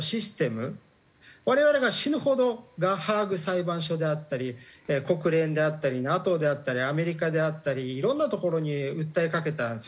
我々が死ぬほどハーグ裁判所であったり国連であったりＮＡＴＯであったりアメリカであったりいろんなところに訴えかけたんですよ８年間。